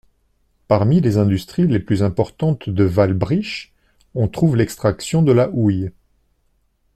Parmi les industries les plus importantes de Wałbrzych on trouve l'extraction de la houille.